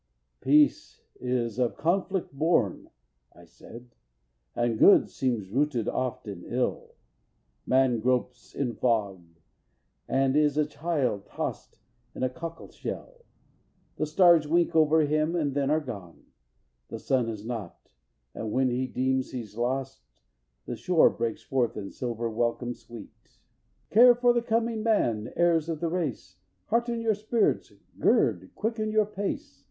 "Peace is of conflict born," I said, "and good Seems rooted oft in ill. Man gropes in fog, And is a child tost in a cockle shell. The stars wink over him and then are gone, The sun is not, and when he deems he's lost, The shore breaks forth in silver welcome sweet." _Care for the coming man, Heirs of the race, Hearten your spirits, Gird! quicken your pace!